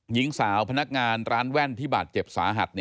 หญิงสาวพนักงานร้านแว่นที่บาดเจ็บสาหัส